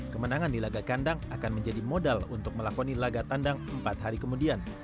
kemenangan di laga kandang akan menjadi modal untuk melakoni laga tandang empat hari kemudian